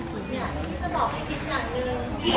อยากที่จะบอกให้คิดอย่างหนึ่ง